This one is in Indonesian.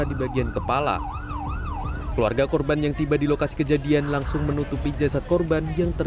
sementara penumpangnya selamat dalam insiden kecelakaan ini